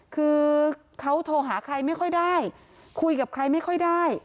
คือเขาโทรหาใครไม่ค่อยได้คุยกับใครไม่ค่อยได้